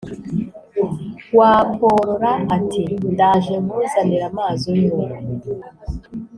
Wakorora ati: ndaje nkuzanire amazi unywe